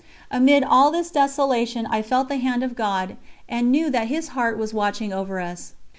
Amid all this desolation I felt the Hand of God and knew that His Heart was watching over us.